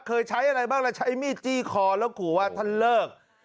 เคยใช้อะไรบ้างแล้วใช้มีดจี้คอแล้วขู่ว่าท่านเลิก